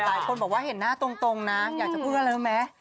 หลายคนบอกว่าเห็นหน้าตรงนะอยากจะพูดว่าอะไรรู้ไหม